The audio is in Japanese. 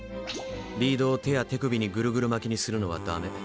リードを手や手首にぐるぐる巻きにするのはダメ！